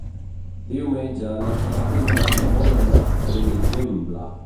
Diumenge na Queralt i na Laia volen anar a Benigembla.